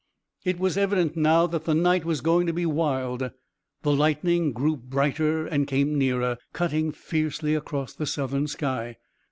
It was evident now that the night was going to be wild. The lightning grew brighter and came nearer, cutting fiercely across the southern sky.